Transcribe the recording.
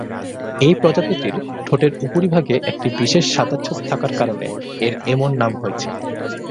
এই প্রজাতিটির ঠোঁটের উপরিভাগে একটি বিশেষ সাদা ছোপ থাকার কারণে এর এমন নাম হয়েছে।